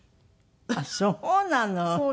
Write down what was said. あっそうなの。